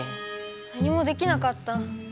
何もできなかった。